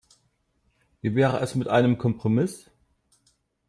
Wie wäre es mit einem Kompromiss?